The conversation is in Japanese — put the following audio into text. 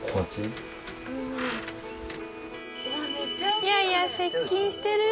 いやいや接近してるよ